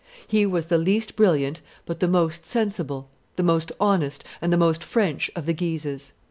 He was the least brilliant but the most sensible, the most honest, and the most French of the Guises.